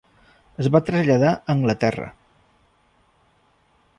Es va traslladar a Anglaterra.